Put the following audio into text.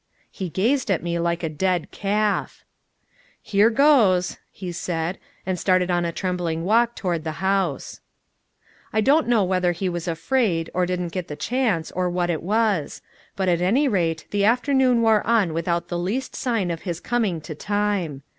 He gazed at me like a dead calf. "Here goes," he said, and started on a trembling walk toward the house. I don't know whether he was afraid, or didn't get the chance, or what it was; but at any rate the afternoon wore on without the least sign of his coming to time.